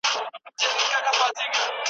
د عدې تر ختم مخکي رجوع کولای سي.